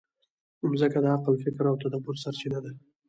مځکه د عقل، فکر او تدبر سرچینه ده.